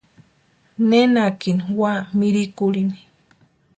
Nenakini úa mirikurhini.